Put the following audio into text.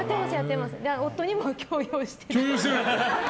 夫にも強要して。